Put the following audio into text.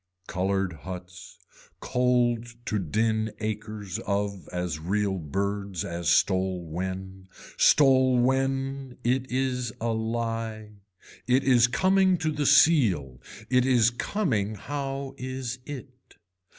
Colored huts, cold to din acres of as real birds as stole when. Stole when, it is a lie. It is coming to the seal, it is coming how is it.